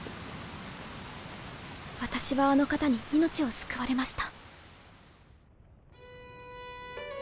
私はあの方に命を救われました。